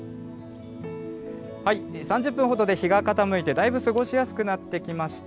３０分ほどで日が傾いて、だいぶ過ごしやすくなってきました。